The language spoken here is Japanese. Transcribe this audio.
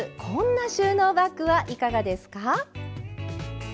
こんな収納バッグはいかがですか？